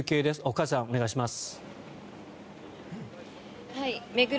岡安さん、お願いします。